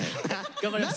頑張ります！